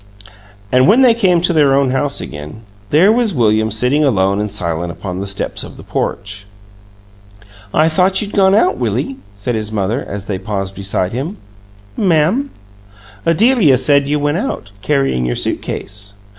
And when they came to their own house again, there was William sitting alone and silent upon the steps of the porch. "I thought you'd gone out, Willie," said his mother, as they paused beside him. "Ma'am?" "Adelia said you went out, carrying your suit case."